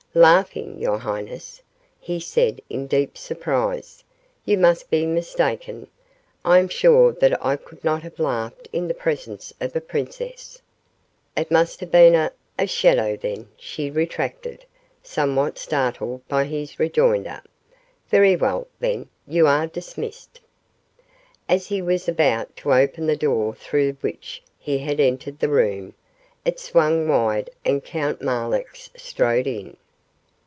"Laughing, your highness?" he said in deep surprise. "You must be mistaken. I am sure that I could not have laughed in the presence of a princess." "It must have been a a shadow, then," she retracted, somewhat startled by his rejoinder. "Very well, then; you are dismissed." As he was about to open the door through which he had entered the room, it swung wide and Count Marlanx strode in.